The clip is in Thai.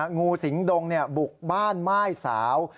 งูสิงดงบุกบ้านม่ายสาว